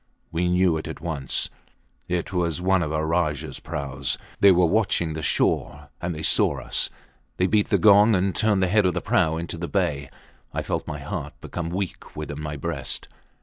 We knew it at once; it was one of our Rajahs praus. They were watching the shore, and saw us. They beat the gong, and turned the head of the prau into the bay. I felt my heart become weak within my breast.